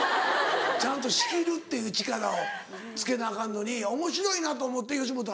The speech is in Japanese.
ちゃんと仕切るっていう力をつけなアカンのにおもしろいなと思って吉本？